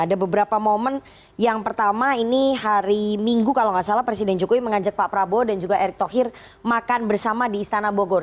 ada beberapa momen yang pertama ini hari minggu kalau nggak salah presiden jokowi mengajak pak prabowo dan juga erick thohir makan bersama di istana bogor